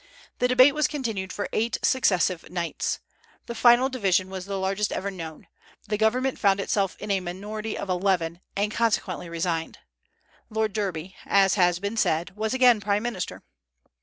The debate was continued for eight successive nights. The final division was the largest ever known: the government found itself in a minority of eleven, and consequently resigned. Lord Derby, as has been said, was again prime minister.